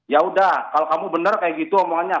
ya udah kalau kamu benar kayak gitu omongannya